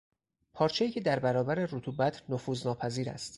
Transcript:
پارچهای که در برابر رطوبت نفوذ ناپذیر است